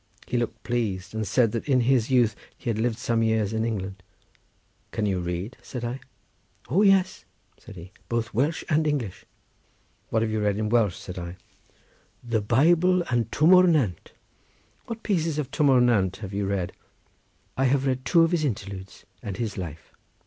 He looked pleased, and said that in his youth he had lived some years in England. "Can you read?" said I. "O yes," said he, "both Welsh and English." "What have you read in Welsh?" said I. "The Bible and Twm O'r Nant." "What pieces of Twm O'r Nant have you read?" "I have read two of his interludes and his life."